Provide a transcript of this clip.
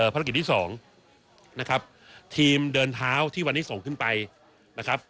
ภารกิจที่สองนะครับทีมเดินเท้าที่วันนี้ส่งขึ้นไปนะครับ